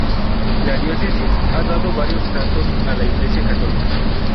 La diócesis ha dado varios santos a la iglesia católica.